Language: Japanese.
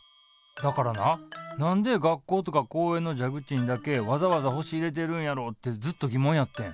だからななんで学校とか公園の蛇口にだけわざわざ星入れてるんやろってずっと疑問やってん。